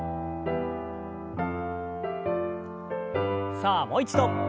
さあもう一度。